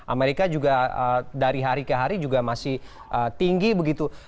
amerika juga dari hari ke hari juga masih tinggi begitu